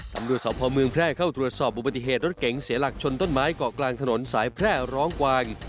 ตำรวจสอบภอมเมืองแพร่เข้าตรวจสอบอุบัติเหตุรถเก๋งเสียหลักชนต้นไม้เกาะกลางถนนสายแพร่ร้องกวาง